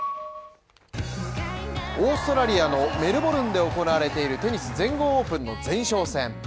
オーストラリアのメルボルンで行われているテニス全豪オープンの前哨戦